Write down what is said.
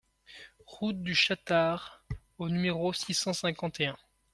Route du Chatar au numéro six cent cinquante et un